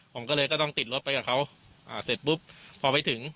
ผมก็เลยก็ต้องติดรถไปกับเขาอ่าเสร็จปุ๊บพอไปถึง